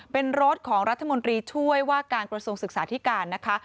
เป็นรถของรัฐมนตรีช่วยว่าการกระทรวงศึกษาธิการนะคะ